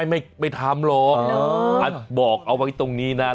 ไม่ไม่ทำหรอกอัตบอกเอาไว้ตรงนี้น่ะ